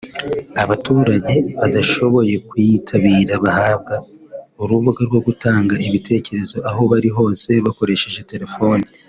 Abaturage badashoboye kuyitabira bahabwa urubuga rwo gutanga ibitekerezo aho bari hose bakoresheje telefoni